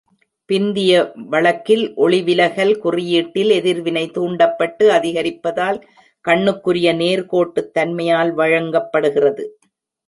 பிந்தைய வழக்கில், ஒளிவிலகல் குறியீட்டில் எதிர்வினை தூண்டப்பட்டு அதிகரிப்பதால் கண்ணுக்குரிய நேர்கோட்டுத்தன்மையால் வழங்கப்படுகிறது.